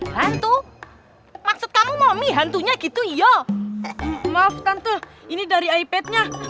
hantu maksud kamu mami hantunya gitu ya maaf tante ini dari ipadnya